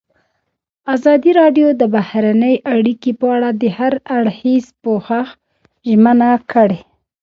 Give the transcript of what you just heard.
ازادي راډیو د بهرنۍ اړیکې په اړه د هر اړخیز پوښښ ژمنه کړې.